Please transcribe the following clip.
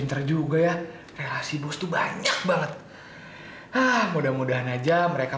terima kasih banyak banyak